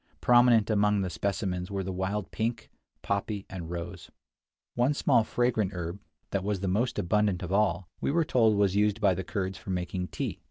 Prominent among the specimens were the wild pink, poppy, and rose. One small fragrant herb, that was the most abundant of all, we were told was used by the Kurds for making tea.